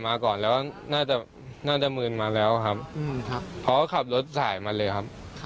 มาก่อนแล้วน่าจะน่าจะมืนมาแล้วครับเขาก็ขับรถสายมาเลยครับ